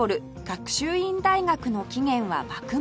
学習院大学の起源は幕末